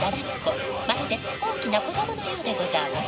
まるで大きな子供のようでござあます。